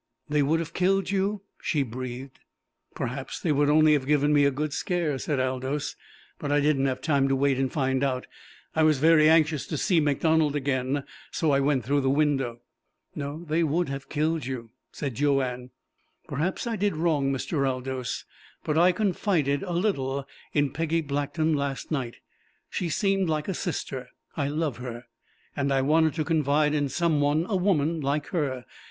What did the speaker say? "They would have killed you?" she breathed. "Perhaps they would only have given me a good scare," said Aldous. "But I didn't have time to wait and find out. I was very anxious to see MacDonald again. So I went through the window!" "No, they would have killed you," said Joanne. "Perhaps I did wrong, Mr. Aldous, but I confided a little in Peggy Blackton last night. She seemed like a sister. I love her. And I wanted to confide in some one a woman, like her.